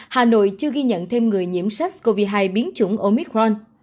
hà nội chưa ghi nhận thêm người nhiễm sars cov hai biến chủng omicron